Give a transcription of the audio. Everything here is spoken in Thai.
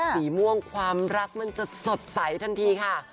สีม่วงความรักมันจะสดใสทันทีค่ะ